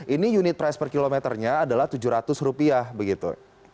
ini unit price per kilometernya adalah tujuh ratus rupiah begitu